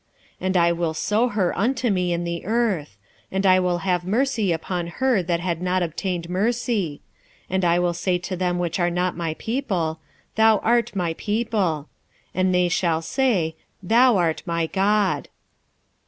2:23 And I will sow her unto me in the earth; and I will have mercy upon her that had not obtained mercy; and I will say to them which were not my people, Thou art my people; and they shall say, Thou art my God.